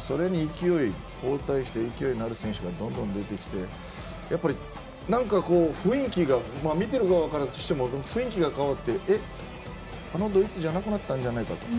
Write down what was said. それに交代して勢いのある選手がどんどん出てきてやっぱりなんか雰囲気が見ている側からしても雰囲気が変わってえっ、あのドイツじゃなくなったんじゃないかと。